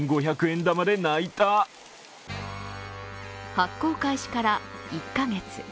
発行開始から１カ月。